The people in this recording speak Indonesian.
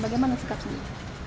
bagaimana sikap sendiri